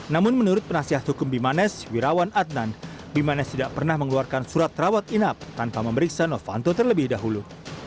namun menurut penasihat hukum bimanes wirawan adnan bimanes tidak pernah mengeluarkan surat rawat inap tanpa memeriksa novanto terlebih dahulu